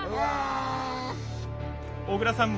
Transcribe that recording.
小倉さん